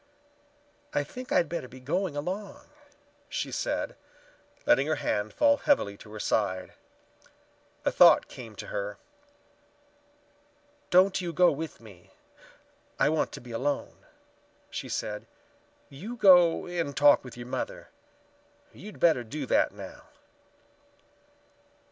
"I think I'd better be going along," she said, letting her hand fall heavily to her side. A thought came to her. "Don't you go with me; I want to be alone," she said. "You go and talk with your mother. You'd better do that now."